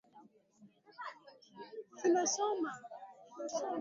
Mkuu wa wilaya na jimbo la Washington vimepokea majina kutokana nae